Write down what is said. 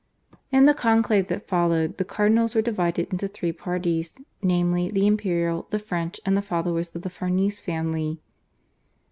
In the conclave that followed the cardinals were divided into three parties, namely, the Imperial, the French, and the followers of the Farnese family.